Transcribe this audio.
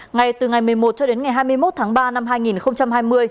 ngày từ ngày một mươi một cho đến ngày hai mươi một tháng ba năm hai nghìn hai mươi